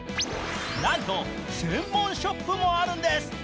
なんと専門ショップもあるんです。